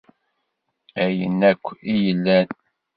Ayen akk i yellan.